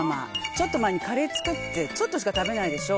ちょっと前にカレー作ってちょっとしか食べないでしょ。